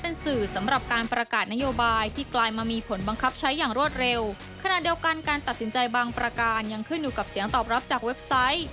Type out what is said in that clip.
นโยบายที่กลายมามีผลบังคับใช้อย่างรวดเร็วขณะเดียวกันการตัดสินใจบางประการยังขึ้นอยู่กับเสียงตอบรับจากเว็บไซต์